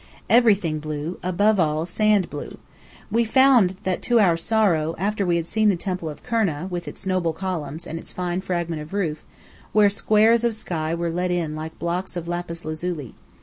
Everything blew: above all, sand blew. We found that out to our sorrow, after we had seen the Temple of Kurna, with its noble columns, and its fine fragment of roof, where squares of sky were let in like blocks of lapis lazuli.